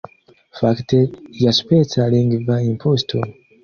Fakte iaspeca lingva imposto.